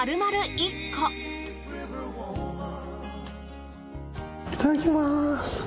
いただきます。